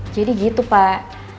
jadi gitu pak